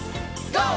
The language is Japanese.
ＧＯ！